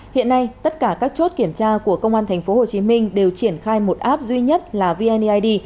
hiện nay tất cả các chốt kiểm tra của công an tp hcm đều triển khai một app duy nhất là vneid